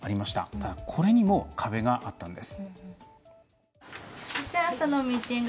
ただ、これにも壁があったんです。